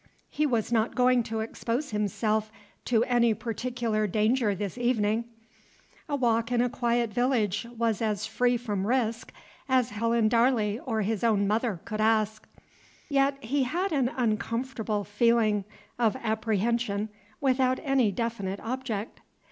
He was not going to expose himself to any particular danger this evening; a walk in a quiet village was as free from risk as Helen Darley or his own mother could ask; yet he had an unaccountable feeling of apprehension, without any definite object.